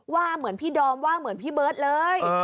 ว่าเหมือนพี่ดอมว่าเหมือนพี่เบิร์ตเลย